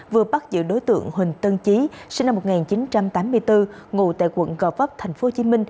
vừa bắt giữ đối tượng huỳnh tân chí sinh năm một nghìn chín trăm tám mươi bốn ngủ tại quận gò vấp tp hcm